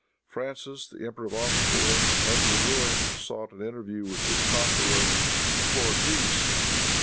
Francis, the Emperor of Austria, utterly ruined, sought an interview with his conqueror, and implored peace.